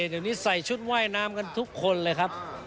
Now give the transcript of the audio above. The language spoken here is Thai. เดี๋ยวนี้ใส่ชุดว่ายน้ำกันทุกคนเลยครับ